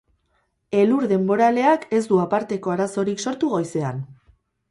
Elur denboraleak ez du aparteko arazorik sortu goizean.